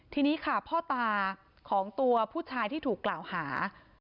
ทีนี้ค่ะพ่อตาของตัวผู้ชายที่ถูกกล่าวหา